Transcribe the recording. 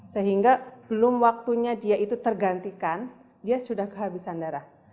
sehingga belum waktunya dia itu tergantikan dia sudah kehabisan darah